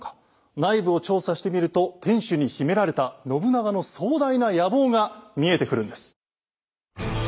内部を調査してみると天主に秘められた信長の壮大な野望が見えてくるんです。